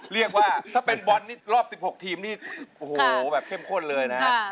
เรียกว่าถ้าเป็นบอลนี่รอบ๑๖ทีมนี่โอ้โหแบบเข้มข้นเลยนะฮะ